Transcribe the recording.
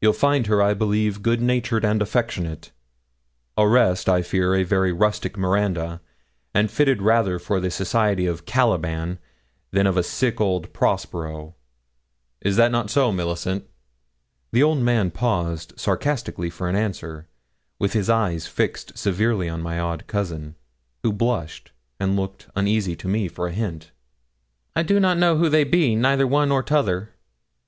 You'll find her, I believe, good natured and affectionate; au reste, I fear a very rustic Miranda, and fitted rather for the society of Caliban than of a sick old Prospero. Is it not so, Millicent?' The old man paused sarcastically for an answer, with his eyes fixed severely on my odd cousin, who blushed and looked uneasily to me for a hint. 'I don't know who they be neither one nor t'other.'